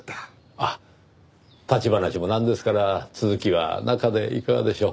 あっ立ち話もなんですから続きは中でいかがでしょう？